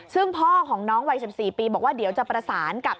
ซึ่งพ่อของน้องวัย๑๔ปีบอกว่าเดี๋ยวจะประสานกับ